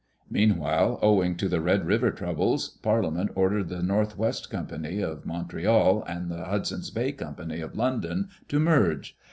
Meanwhile, owing to the Red River troubles, Parliament ordered the North West Company, of Montreal, and the Hudson's Bay Com pany of London to merge.